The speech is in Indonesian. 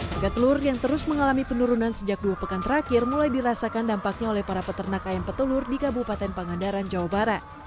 harga telur yang terus mengalami penurunan sejak dua pekan terakhir mulai dirasakan dampaknya oleh para peternak ayam petelur di kabupaten pangandaran jawa barat